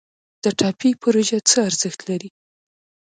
د ټاپي پروژه څه ارزښت لري؟